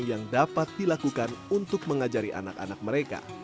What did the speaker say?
yang dapat dilakukan untuk mengajari anak anak mereka